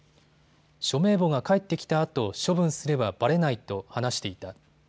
署名簿が返ってきたあと処分すればばれないと話していた。